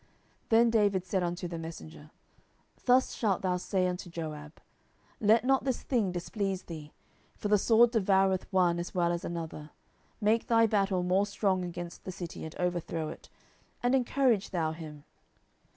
10:011:025 Then David said unto the messenger, Thus shalt thou say unto Joab, Let not this thing displease thee, for the sword devoureth one as well as another: make thy battle more strong against the city, and overthrow it: and encourage thou him.